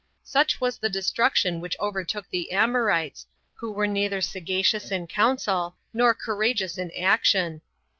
Such was the destruction which overtook the Amorites, who were neither sagacious in counsel, nor courageous in action.